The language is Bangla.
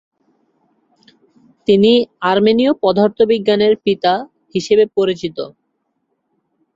তিনি "আর্মেনীয় পদার্থবিজ্ঞানের পিতা" হিসেবে পরিচিত।